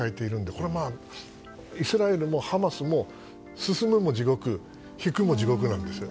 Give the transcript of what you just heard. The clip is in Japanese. これはイスラエルもハマスも進むも地獄引くも地獄なんですよ。